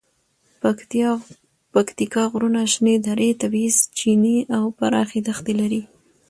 پکتیکا غرونه، شنې درې، طبیعي چینې او پراخې دښتې لري.